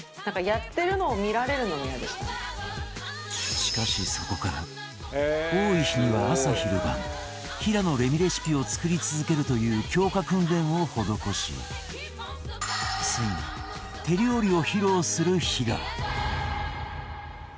しかしそこから多い日には朝昼晩平野レミレシピを作り続けるという強化訓練を施しついに手料理を披露する日が！